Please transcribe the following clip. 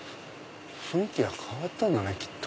雰囲気が変わったんだねきっと。